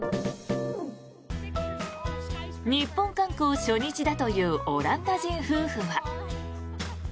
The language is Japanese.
日本観光初日だというオランダ人夫婦は。